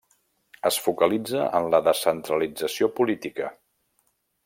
Es focalitza en la descentralització política.